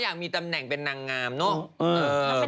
อยากมีตำแหน่งเป็นนางงามเนอะ